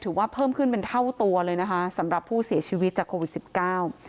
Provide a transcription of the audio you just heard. เพิ่มขึ้นเป็นเท่าตัวเลยนะคะสำหรับผู้เสียชีวิตจากโควิดสิบเก้า